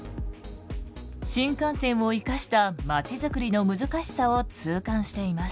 新幹線を生かしたまちづくりの難しさを痛感しています。